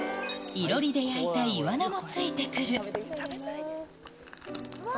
いろりで焼いたイワナもついてくる。